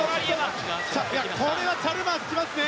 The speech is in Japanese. これはチャルマース来ますね。